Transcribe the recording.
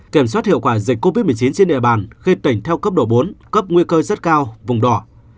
kiểm soát hiệu quả dịch covid một mươi chín trên địa bàn khi tỉnh theo cấp độ bốn cấp nguy cơ rất cao vùng đỏ